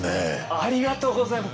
ありがとうございます。